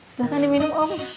silahkan diminum om